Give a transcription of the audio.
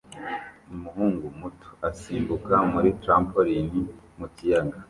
Umuhungu muto asimbuka muri trampoline mu kiyaga